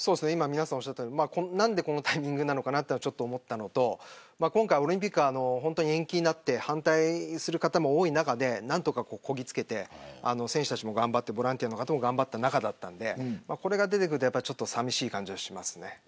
皆さんおっしゃったように何でこのタイミングなのかなとは思ったのと今回、オリンピックが延期になって反対する方も多い中で何とかこぎつけて選手たちも頑張ってボランティアの方も頑張った中だったのでこれが出てくると寂しい感じはしますね。